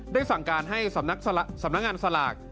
สั่งการให้สำนักงานสลาก